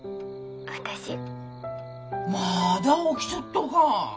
まだ起きちょっとか。